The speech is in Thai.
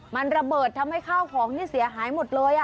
มันระเบิดทำให้ข้าวของนี่เสียหายหมดเลย